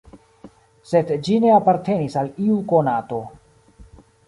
Sed ĝi ne apartenis al iu konato.